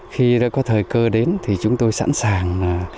khi đã có thời cơ đến thì chúng tôi sẵn sàng là